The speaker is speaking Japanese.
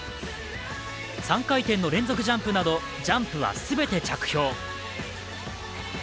３回転の連続ジャンプなどジャンプは全て着氷。